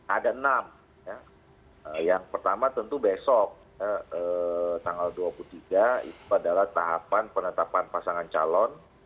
ada enam yang pertama tentu besok tanggal dua puluh tiga itu adalah tahapan penetapan pasangan calon